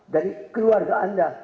dari keluarga anda